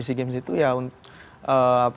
jadi saya lebih fokus menghadapi